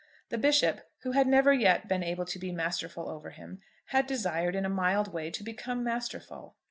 The Bishop, who had never yet been able to be masterful over him, had desired in a mild way to become masterful.